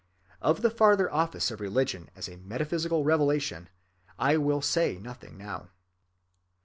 Of the farther office of religion as a metaphysical revelation I will say nothing now.